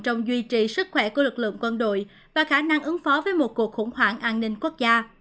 trong duy trì sức khỏe của lực lượng quân đội và khả năng ứng phó với một cuộc khủng hoảng an ninh quốc gia